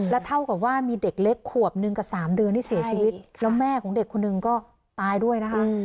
แล้วเท่ากับว่ามีเด็กเล็กขวบนึงกับ๓เดือนที่เสียชีวิตแล้วแม่ของเด็กคนหนึ่งก็ตายด้วยนะคะ